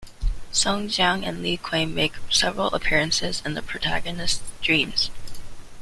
Song Jiang and Li Kui make several appearances in the protagonist's dreams.